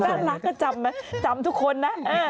น่ารักก็จำไหมจำทุกคนนะ